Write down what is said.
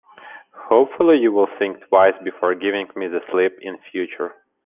Hopefully, you'll think twice before giving me the slip in future.